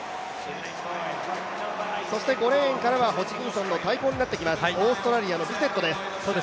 そして５レーンはホジキンソンの対抗になってきます、オーストラリアのビセットです。